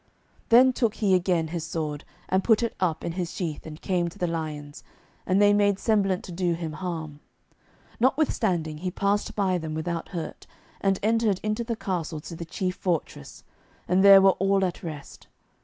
Then took he again his sword, and put it up in his sheath, and came to the lions, and they made semblant to do him harm. Notwithstanding he passed by them without hurt, and entered into the castle to the chief fortress, and there were all at rest.